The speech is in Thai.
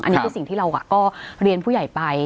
อันนี้คือสิ่งที่เราก็เรียนผู้ใหญ่ไป